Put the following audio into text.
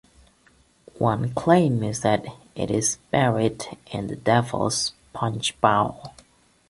One claim is that it is buried in the Devil's Punch Bowl.